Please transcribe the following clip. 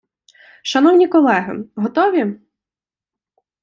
Шановні колеги, готові?